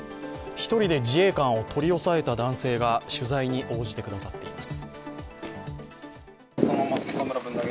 １人で自衛官を取り押さえた男性が取材に応じてくださっています。